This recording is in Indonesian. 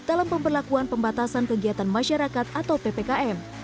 dalam pemberlakuan pembatasan kegiatan masyarakat atau ppkm